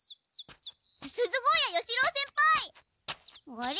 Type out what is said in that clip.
あれ？